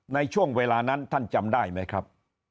ในช่วงเวลานั้นท่านจำได้ไหมครับ